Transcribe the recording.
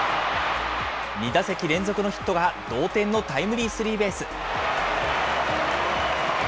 ２打席連続のヒットが同点のタイムリースリーベース。